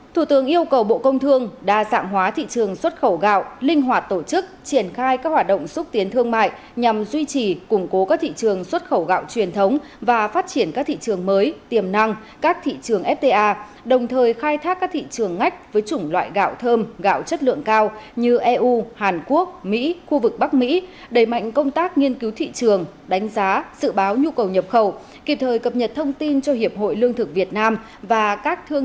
thủ tướng yêu cầu bộ công thương đa dạng hóa thị trường xuất khẩu gạo linh hoạt tổ chức triển khai các hoạt động xúc tiến thương mại nhằm duy trì củng cố các thị trường xuất khẩu gạo truyền thống và phát triển các thị trường mới tiềm năng các thị trường fta đồng thời khai thác các thị trường ngách với chủng loại gạo thơm gạo chất lượng cao như eu hàn quốc mỹ khu vực bắc mỹ đầy mạnh công tác nghiên cứu thị trường đánh giá dự báo nhu cầu nhập khẩu kịp thời cập nhật thông tin cho hiệp hội lương thực